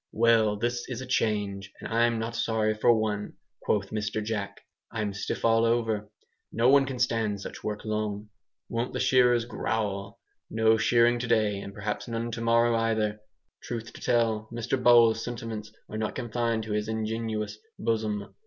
"Well, this is a change, and I'm not sorry for one," quoth Mr. Jack, "I'm stiff all over. No one can stand such work long. Won't the shearers growl! No shearing to day, and perhaps none tomorrow either." Truth to tell, Mr Bowles' sentiments are not confined to his ingenuous bosom.